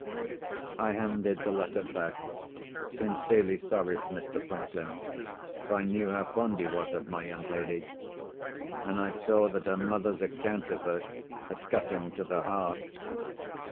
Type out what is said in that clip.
I handed the letter back, sincerely sorry for Mr. Franklin, for I knew how fond he was of my young lady; and I saw that her mother's account of her had cut him to the heart.